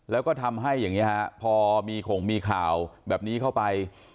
แล้วก็ทำให้อย่างนี้ฮะพอมีข่งมีข่าวแบบนี้เข้าไป